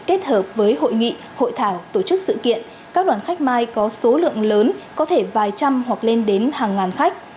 kết hợp với hội nghị hội thảo tổ chức sự kiện các đoàn khách mai có số lượng lớn có thể vài trăm hoặc lên đến hàng ngàn khách